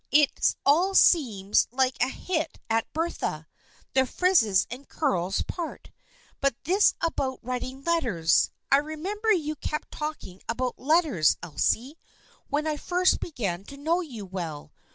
It all seems like a hit at Bertha, the frizzes and curls part. But this about writing letters. I remember you kept talking about letters, Elsie, when I first began to know you well.